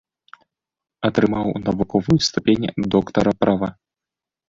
Атрымаў навуковую ступень доктара права.